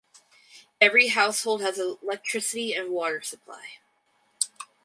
Every household has electricity and water supply.